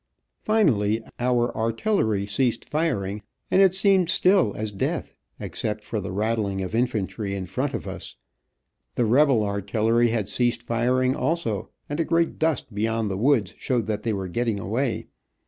Finally, our artillery ceased firing and it seemed still as death, except for the rattling of infantry in front of us. The rebel artillery had ceased firing also, and a great dust beyond the woods showed that they were getting away.